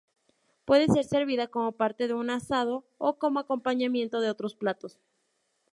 Puede ser servida como parte de un asado o como acompañamiento de otros platos.